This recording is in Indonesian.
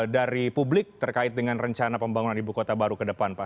dari publik terkait dengan rencana pembangunan ibu kota baru ke depan pak